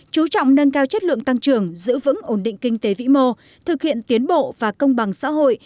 chú trọng nâng cao chất lượng tăng trưởng giữ vững ổn định kinh tế vĩ mô thực hiện tiến bộ và công bằng xã hội